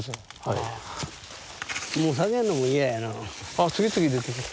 あ次々出てくる。